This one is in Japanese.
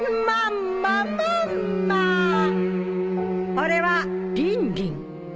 俺はリンリン。